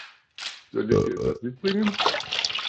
Soll ich dir etwas mitbringen?